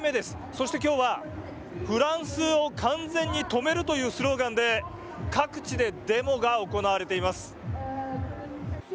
そしてきょうはフランスを完全に止めるというスローガンで各地でデモが行われています。